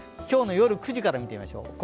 今日の夜９時から見てみましょう。